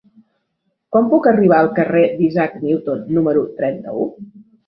Com puc arribar al carrer d'Isaac Newton número trenta-u?